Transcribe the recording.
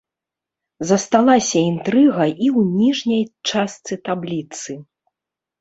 Засталася інтрыга і ў ніжняй частцы табліцы.